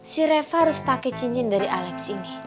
si reva harus pakai cincin dari alex ini